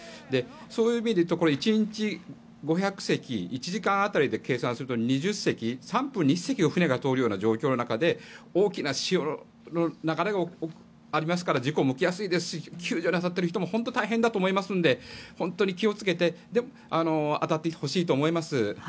そういう意味で言うと１日５００隻１時間当たりで計算すると２０隻３分に１隻船が通るようなところで大きな潮の流れがありますから事故が起きやすいですし救助なさっている人も大変だと思いますので本当に気をつけて当たってほしいと思います。